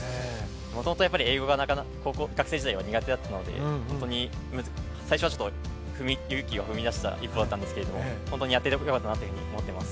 もともと英語が学生時代は苦手だったので、本当に最初はちょっと勇気を踏み出した一歩だったんですけれども本当にやって良かったなというふうに思っています。